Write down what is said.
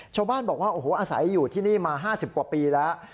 ชาวบ้านบอกว่าโอ้โหอาศัยอยู่ที่นี่มา๕๐กว่าปีแล้ว